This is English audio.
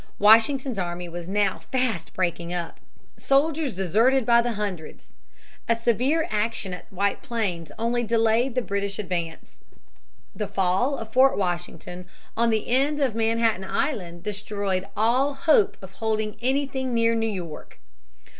Washington's army was now fast breaking up. Soldiers deserted by the hundreds. A severe action at White Plains only delayed the British advance. The fall of Fort Washington on the end of Manhattan Island destroyed all hope of holding anything near New York.